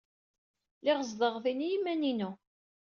Lliɣ zedɣeɣ din i yiman-inu.